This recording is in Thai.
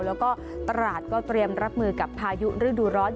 แล้วก็ตราดก็เตรียมรับมือกับพายุฤดูร้อน